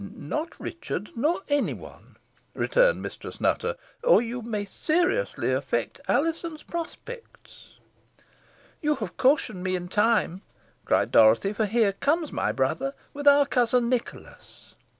"Not Richard not any one," returned Mistress Nutter, "or you may seriously affect Alizon's prospects." "You have cautioned me in time," cried Dorothy, "for here comes my brother with our cousin Nicholas."